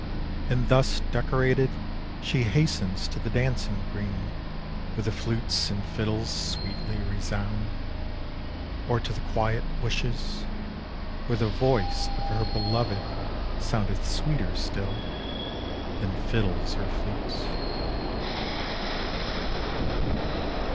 And thus decorated she hastens to the dancing green Where the flutes and fiddles sweetly resound; Or to the quiet bushes Where the voice of her beloved soundeth sweeter still Than fiddles or flutes.